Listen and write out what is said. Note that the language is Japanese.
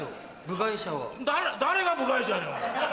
誰が部外者やねん。